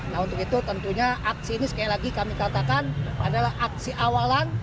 nah untuk itu tentunya aksi ini sekali lagi kami katakan adalah aksi awalan